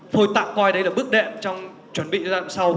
thôi tạm coi đấy là bước đẹp trong chuẩn bị ra đoạn sau